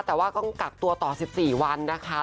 แต่ว่าต้องกักตัวต่อ๑๔วันนะคะ